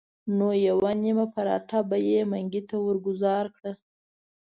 نو یوه نیمه پراټه به یې منګي ته ورګوزاره کړه.